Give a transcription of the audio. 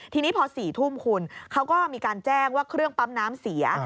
ทีนี้พอ๔ทุ่มคุณเขาก็มีการแจ้งว่าเครื่องปั๊มน้ำเสีย